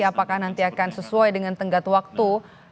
apakah nanti akan sesuai dengan tenggat waktu